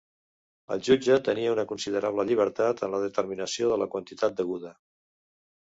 El jutge tenia una considerable llibertat en la determinació de la quantitat deguda.